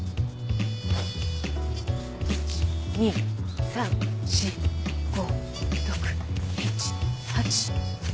１・２・３・４・５・６・７・８・９。